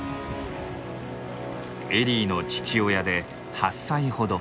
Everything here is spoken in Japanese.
エリーの父親で８歳ほど。